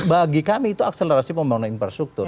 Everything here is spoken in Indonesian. bagi kami itu akselerasi pembangunan infrastruktur